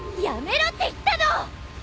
やめろって言ったの！